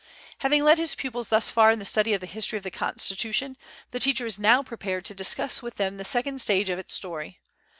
Having led his pupils thus far in the study of the history of the Constitution, the teacher is now prepared to discuss with them the second stage of its story.